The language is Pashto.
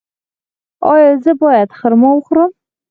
ایا زه باید خرما وخورم؟